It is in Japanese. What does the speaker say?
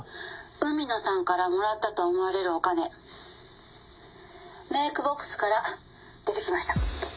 「海野さんからもらったと思われるお金メイクボックスから出てきました」